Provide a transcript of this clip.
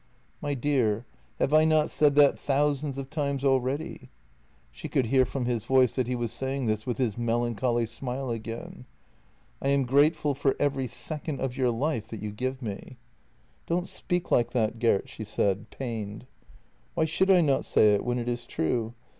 "" My dear, have I not said that thousands of times already? " She could hear from his voice that he was saying this with his melancholy smile again. " I am grateful for every second of your life that you give me." " Don't speak like that, Gert," she said, pained. "Why should I not say it when it is true?